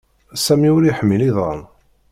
Sami ur iḥmil iḍan